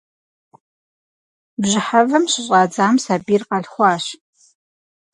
Бжьыхьэвэм щыщӏадзам сабийр къалъхуащ.